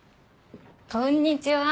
こんにちは。